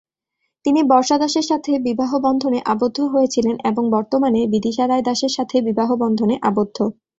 তিনি বর্ষা দাসের সাথে বিবাহবন্ধনে আবদ্ধ হয়েছিলেন এবং বর্তমানে বিদিশা রায় দাসের সাথে বিবাহবন্ধনে আবদ্ধ।